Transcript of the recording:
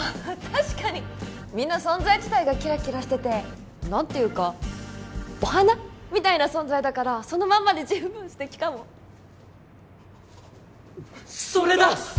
確かにみんな存在自体がキラキラしてて何ていうかお花みたいな存在だからそのまんまで十分素敵かもそれだ！